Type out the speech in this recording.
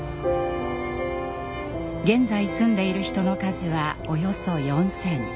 現在住んでいる人の数はおよそ４，０００。